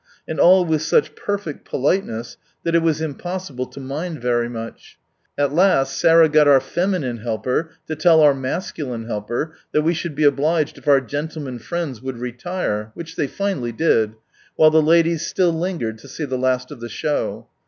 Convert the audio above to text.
And all with such perfect politeness that it was impossible to mind very much. At last Sarah got our feminine helper, to tell our masculine helper, that we should be obliged if our gentlemen friends would retire, which they finally did, while the ladies still lingered to see the last of the show.